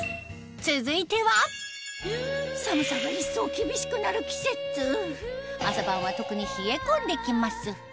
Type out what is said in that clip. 続いては寒さが一層厳しくなる季節朝晩は特に冷え込んで来ます